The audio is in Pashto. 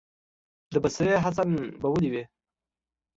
د بصرې حسن به ولي وي،